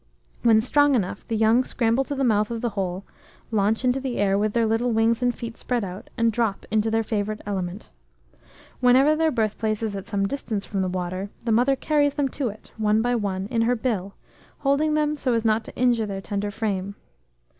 When strong enough, the young scramble to the mouth of the hole, launch into the air with their little wings and feet spread out, and drop into their favourite element. Whenever their birthplace is at some distance from the water, the mother carries them to it, one by one, in her bill, holding them so as not to injure their yet tender frame.